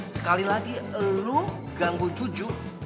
sekali lagi lo ganggu jujur